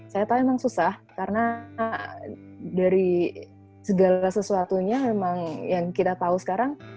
saya tahu memang susah karena dari segala sesuatunya memang yang kita tahu sekarang